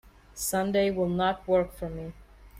Sunday will not work for me.